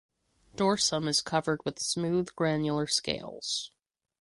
Dorsum is covered with smooth granular scales.